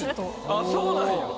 あっそうなんや。